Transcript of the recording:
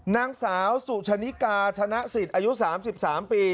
นางสาวสุชนิกาชนะสิทธิ์อายุ๓๓ปี